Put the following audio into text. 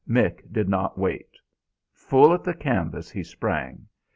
Mick did not wait; full at the canvas he sprang.